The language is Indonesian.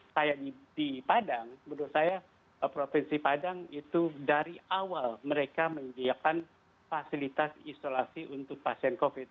kayak di padang menurut saya provinsi padang itu dari awal mereka menyediakan fasilitas isolasi untuk pasien covid